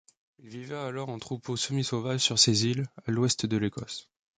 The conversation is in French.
Ils vivaient alors en troupeaux semi-sauvages sur ces îles, à l´ouest de l´Écosse.